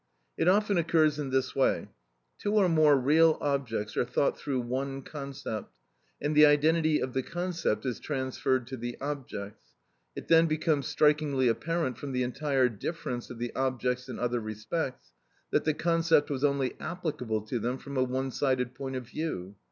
It often occurs in this way: two or more real objects are thought through one concept, and the identity of the concept is transferred to the objects; it then becomes strikingly apparent from the entire difference of the objects in other respects, that the concept was only applicable to them from a one sided point of view.